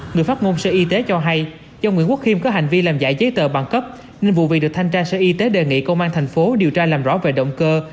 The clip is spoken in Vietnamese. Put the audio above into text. người phát ngôn sở y tế cho hay do nguyễn quốc khiêm có hành vi làm giả giấy tờ bằng cấp nên vụ việc được thanh tra sở y tế đề nghị công an thành phố điều tra làm rõ về động cơ